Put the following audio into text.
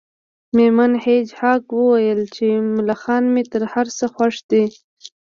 میرمن هیج هاګ وویل چې ملخان مې تر هر څه خوښ دي